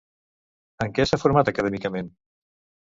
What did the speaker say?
En què s'ha format acadèmicament?